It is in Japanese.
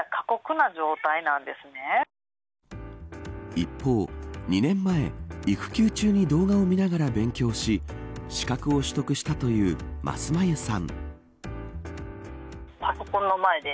一方、２年前育休中に動画を見ながら勉強し資格を取得したというますまゆさん。